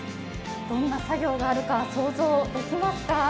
どんな作業があるか、想像できますか？